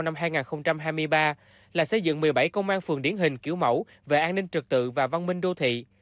năm hai nghìn hai mươi ba là xây dựng một mươi bảy công an phường điển hình kiểu mẫu về an ninh trực tự và văn minh đô thị